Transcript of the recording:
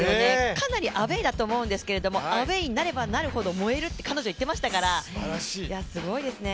かなりアウェーだと思うんですけどアウェーになればなるほど燃えるって彼女言っていましたから、すごいですね。